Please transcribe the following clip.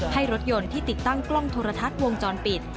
ให้รถยนต์ที่ติดตั้งกล้องโทรทัศน์วงจรปิด